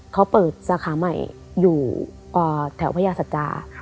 เขาเปิดสาขาใหม่อยู่แถวพญาสัจจา